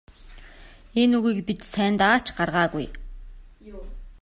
Энэ үгийг бид сайндаа ч гаргаагүй.